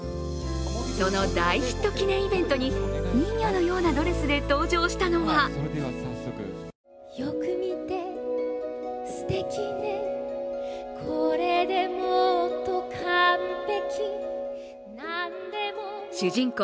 その大ヒット記念イベントに人魚のようなドレスで登場したのは主人公・